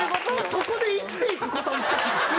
そこで生きていく事にしたんです。